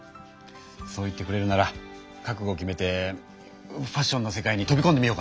そう言ってくれるなら覚ごを決めてファッションの世界に飛びこんでみようかな。